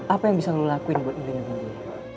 apa yang bisa lo lakuin buat imbin diri